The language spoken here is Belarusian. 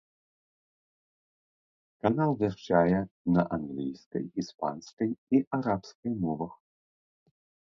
Канал вяшчае на англійскай, іспанскай і арабскай мовах.